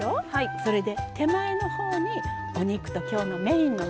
それで手前の方にお肉と今日のメインのものを。